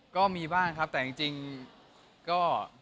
ก็มีบ้างครับแต่จริงก็